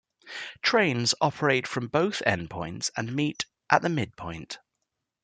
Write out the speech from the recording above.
Trains operate from both endpoints and meet at the midpoint.